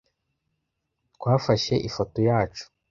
T Twafashe ifoto yacu.